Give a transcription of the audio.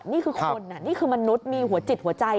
นี่คือคนนี่คือมนุษย์มีหัวจิตหัวใจ